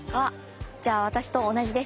じゃあ私と同じですね。